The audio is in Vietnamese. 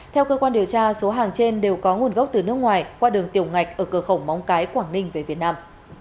theo cơ quan điều tra số hàng trên đều có nguồn gốc từ nước ngoài qua đường tiểu ngạch ở cửa khẩu móng cái quảng ninh về việt nam